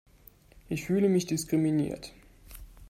Ich fühle mich diskriminiert!